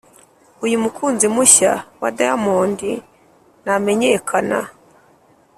uyu mukunzi mushya wa diamond namenyekana